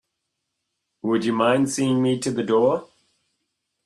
Would you mind seeing me to the door?